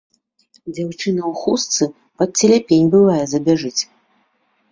Дзяўчына ў хустцы пад целяпень, бывае, забяжыць.